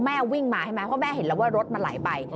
แม่วิ่งมาเพราะแม่เห็นแล้วว่ารถมันไหลไป